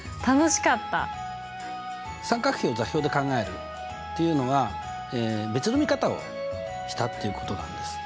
三角比を座標で考えるっていうのが別の見方をしたっていうことなんです。